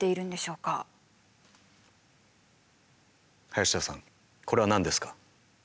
林田さんこれは何ですか？